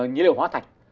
nhí liệu hóa thạch